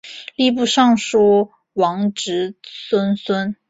吏部尚书王直曾孙。